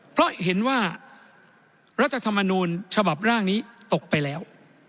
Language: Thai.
เพราะเห็นว่ารัฐธรรมนูญฉบับร่างนี้ตกไปแล้ว